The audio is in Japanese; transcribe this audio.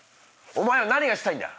お前は何がしたいんだ！